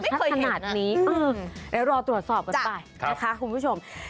มันจะชัดขนาดนี้แล้วรอตรวจสอบก่อนบ่ายคุณผู้ชม